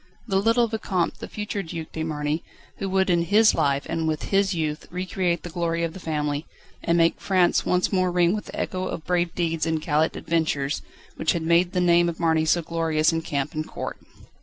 The little Vicomte, the future Duc de Marny, who would in his life and with his youth recreate the glory of the family, and make France once more ring with the echo of brave deeds and gallant adventures, which had made the name of Marny so glorious in camp and court.